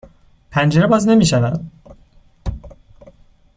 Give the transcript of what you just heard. پنجره باز نمی شود.